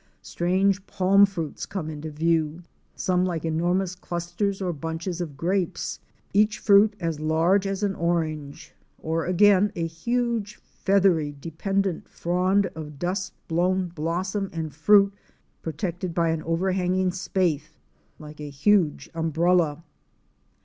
Strange palm fruits come into view, some like enormous clusters or bunches of grapes — each fruit as large as an orange ; or again a huge feathery, dependent frond of dust brown blossom and fruit protected by an overhanging spathe like a huge umbrella.